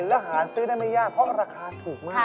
แล้วหาซื้อได้ไม่ยากเพราะราคาถูกมาก